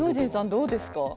どうですか？